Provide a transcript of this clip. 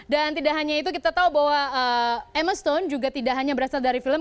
dan tidak hanya itu kita tahu bahwa emma stone juga tidak hanya berasal dari film